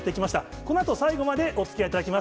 このあと、最後までおつきあいいただきます。